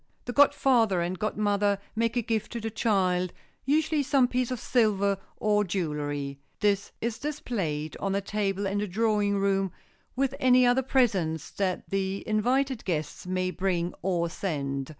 The godfather and godmother make a gift to the child—usually some piece of silver or jewelry. This is displayed on a table in the drawing room with any other presents that the invited guests may bring or send.